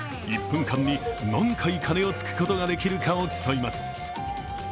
１分間に何回鐘をつくことができるかを競います。